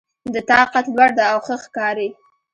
د تا قد لوړ ده او ښه ښکاري